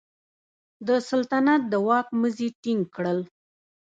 د سلطنت د واک مزي ټینګ کړل.